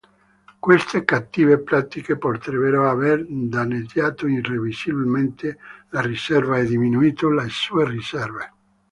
Queste cattive pratiche potrebbero aver danneggiato irreversibilmente la riserva e diminuito le sue riserve.